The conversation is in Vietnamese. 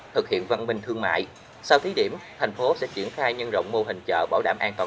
thực hiện văn minh thương mại sau thí điểm thành phố sẽ triển khai nhân rộng mô hình chợ bảo đảm an toàn